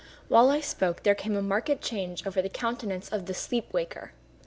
While I spoke, there came a marked change over the countenance of the sleep waker.